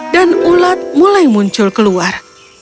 dan ulat mulai muncul keluar